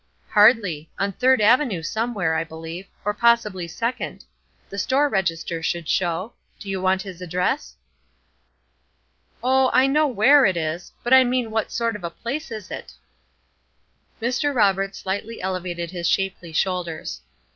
"Hardly; on Third Avenue somewhere, I believe; or possibly Second. The store register would show. Do you want his address!" "Oh, I know where it is; but I mean what sort of a place is it?" Mr. Roberts slightly elevated his shapely shoulders.